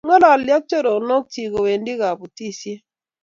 Ng'ololi ak choronok chich kowendi kubatisie